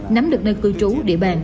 nắm được nơi cư trú địa bàn